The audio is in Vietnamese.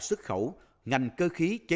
xuất khẩu ngành cơ khí nông nghiệp